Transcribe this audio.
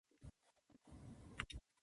ドリームコアは世界共通だ